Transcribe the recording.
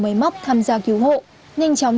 máy móc tham gia cứu hộ nhanh chóng